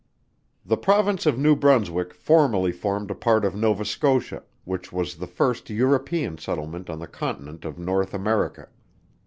_ The Province of New Brunswick formerly formed a part of Nova Scotia, which was the first European settlement on the Continent of North America.